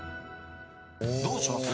どうします？